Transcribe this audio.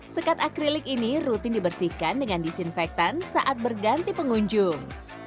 sekat akrilik ini rutin dibersihkan dengan disinfektan saat berganti pengunjung